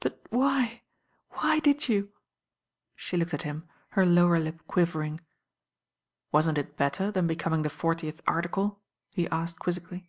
"But why, why did you ?" She looked at him, her lower lip quivering. "Wasn't it better than becoming the Fortieth Ar ticle?" he asked quizzically.